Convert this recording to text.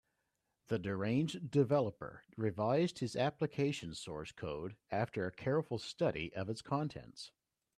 The deranged developer revised his application source code after a careful study of its contents.